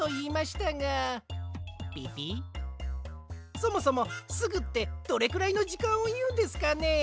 そもそも「すぐ」ってどれくらいのじかんをいうんですかね？